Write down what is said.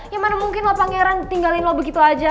ya mana mungkin loh pangeran tinggalin lo begitu aja